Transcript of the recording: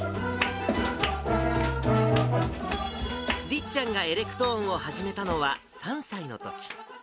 りっちゃんがエレクトーンを始めたのは３歳のとき。